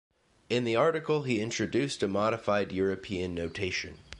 In the article he introduced a modified European notation.